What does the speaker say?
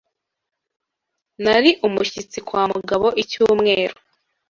Nari umushyitsi kwa Mugabo icyumweru.